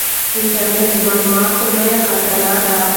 انټرنیټ د معلوماتو لویه خزانه ده.